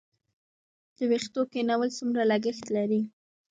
د ویښتو کینول څومره لګښت لري؟